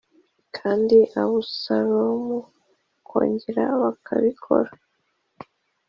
Kandi Abusalomu akongera bakabikora